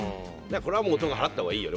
これは男が払ったほうがいいよ。